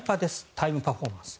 タイムパフォーマンス。